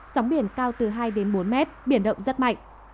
sóng biển cao từ hai bốn m biển động rất mạnh